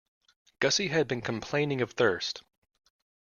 Gussie had been complaining of thirst.